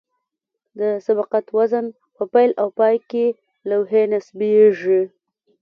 د سبقت زون په پیل او پای کې لوحې نصبیږي